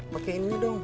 pakai ini dong